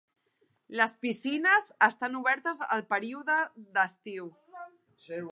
Les piscines estan obertes el període d’estiu.